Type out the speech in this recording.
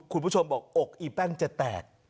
คุณผู้ชมบอกอกอีแป้งจะแตก